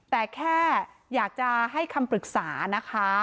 แต่แค่อยากจะให้คำปรึกษานะคะ